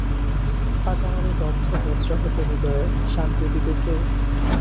আজ আমার এ দগ্ধ বজ্রাহত হৃদয়ে শান্তি দিবে কে?